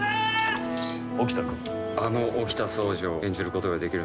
あの沖田総司を演じることができる。